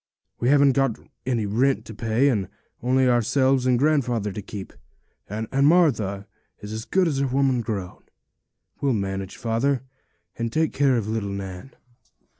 We haven't got any rent to pay, and only ourselves and grandfather to keep, and Martha is as good as a woman grown. We'll manage, father, and take care of little Nan.'